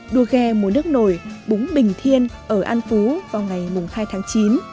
đua ghe mùa nước nổi búng bình thiên ở an phú vào ngày hai tháng chín